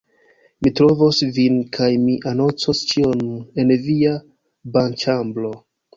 Mi trovos vin kaj mi anoncos ĉion... en via banĉambro...